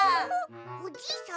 おじいさん？